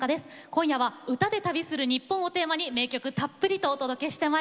今夜は「歌で旅するニッポン」をテーマに名曲たっぷりとお届けしてまいります。